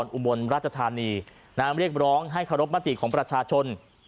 ในเขตเทศบาลนครอุบรรณราชธรรมนีนางเรียกร้องให้ขอรบมาติของประชาชน